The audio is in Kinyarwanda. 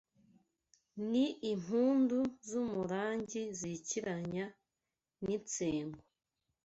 Ni impundu z’umurangi Zikiranya n’insengo